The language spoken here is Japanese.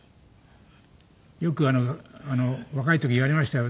よく若い時言われましたよ